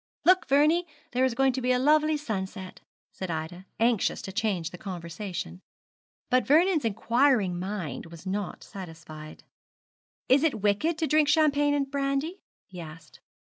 'Look, Vernie! there is going to be a lovely sunset,' said Ida, anxious to change the conversation. But Vernon's inquiring mind was not satisfied. 'Is it wicked to drink champagne and brandy?' he asked.